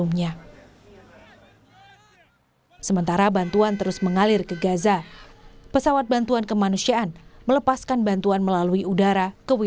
masjid al faraouk menurut pesan asya khi yang disediakan ini di numah pada tiga puluh mei